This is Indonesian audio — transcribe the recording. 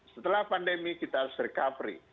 setelah pandemi kita harus recovery